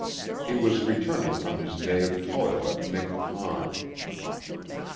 He was returning from his day of toil at Nick Pond.